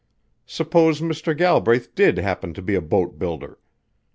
Suppose Mr. Galbraith did happen to be a boat builder?